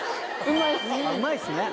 「うまいっす」ね。